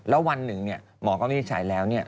แล้ววันหนึ่งเนี่ยหมอก็ไม่ใช้แล้วเนี่ย